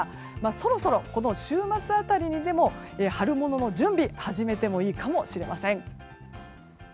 そろそろ、この週末辺りにでも春物の準備始めてもいいかもしれません。